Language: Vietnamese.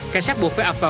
cảnh sát buộc phải ập vào